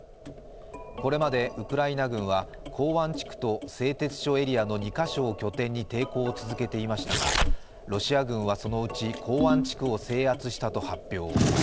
これまでウクライナ軍は港湾地区と製鉄所エリアの２カ所を拠点に抵抗を続けていましたがロシア軍はそのうち港湾地区を制圧したと発表。